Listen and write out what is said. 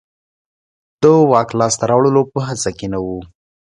د واک لاسته راوړلو په هڅه کې نه و.